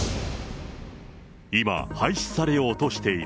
今、廃止されようとしている。